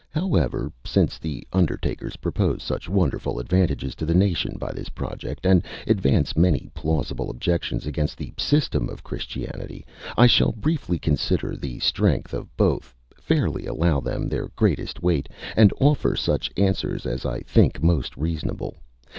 However, since the undertakers propose such wonderful advantages to the nation by this project, and advance many plausible objections against the system of Christianity, I shall briefly consider the strength of both, fairly allow them their greatest weight, and offer such answers as I think most reasonable.